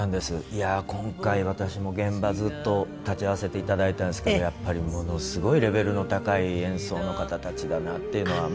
いやあ今回私も現場ずっと立ち会わせていただいたんですけどやっぱりものすごいレベルの高い演奏の方たちだなっていうのは。